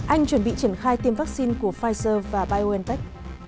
anh chuẩn bị triển khai tiêm vaccine của pfizer và biontech